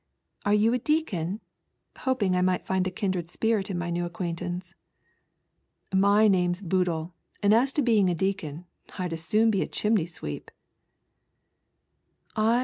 are you a. deacon?" hopiug I might find a kindred spirit in my new acquaintance. "My name's Boodle ; and as to being a Deacon, I'd as 800D be a chimney sweep."